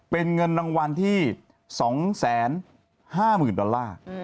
เป็นเงินรางวัลที่๒๕๐๐๐ดอลลาร์